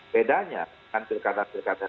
bedanya kan pilkada pilkada